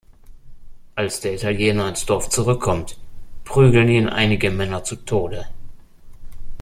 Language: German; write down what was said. Als der Italiener ins Dorf zurückkommt, prügeln ihn einige Männer zu Tode.